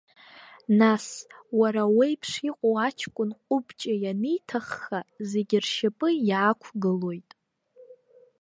Нас, уара уеиԥш иҟоу аҷкәын ҟәыбҷа ианиҭахха, зегьы ршьапы иаақәгылоит.